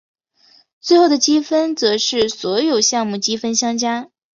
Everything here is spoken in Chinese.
最后的积分则是所有项目积分相加。